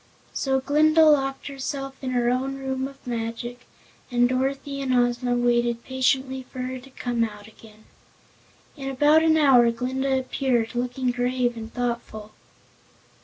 So Glinda locked herself in her own Room of Magic and Dorothy and Ozma waited patiently for her to come out again. In about an hour Glinda appeared, looking grave and thoughtful.